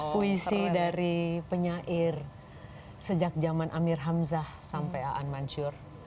puisi dari penyair sejak zaman amir hamzah sampai aan mansyur